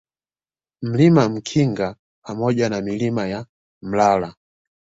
Mlima Mkinga pamoja na Milima ya Mlala